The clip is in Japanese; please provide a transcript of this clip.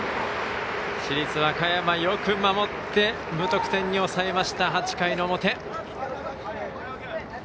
市立和歌山、よく守って無得点に抑えました、８回の表。